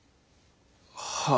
はあ。